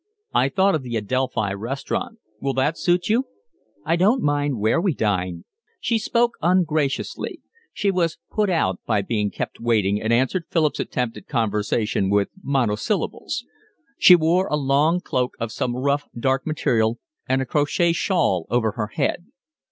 "I thought of the Adelphi Restaurant. Will that suit you?" "I don't mind where we dine." She spoke ungraciously. She was put out by being kept waiting and answered Philip's attempt at conversation with monosyllables. She wore a long cloak of some rough, dark material and a crochet shawl over her head.